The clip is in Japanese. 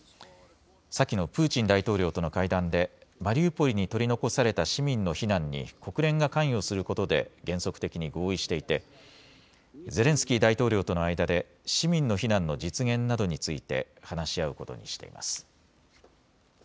先のプーチン大統領との会談でマリウポリに取り残された市民の避難に国連が関与することで原則的に合意していてゼレンスキー大統領との間で市民の避難の実現などについて話し合うことにしています。